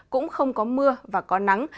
cũng không có mưa và có nắng